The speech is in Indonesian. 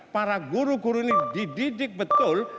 para guru guru ini dididik betul